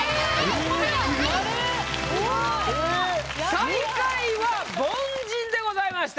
最下位は凡人でございました。